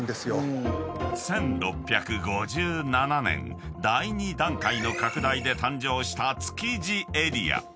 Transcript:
［１６５７年第２段階の拡大で誕生した築地エリア］